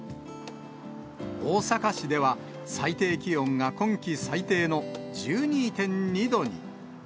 大阪市では、最低気温が今季最低の１２．２度に。